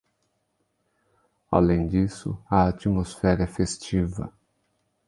Além disso, a atmosfera é festiva.